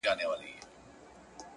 o چي لمن د شپې خورېږي ورځ تېرېږي؛